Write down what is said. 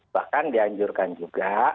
bahkan dianjurkan juga